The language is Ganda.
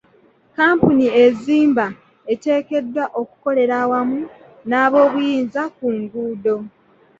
Kampuni ezimba eteekeddwa okukolera awamu n'abobuyinza ku nguudo.